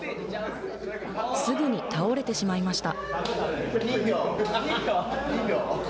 すぐに倒れてしまいました。